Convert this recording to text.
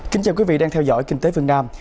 kính chào quý vị đang theo dõi kinh tế phương nam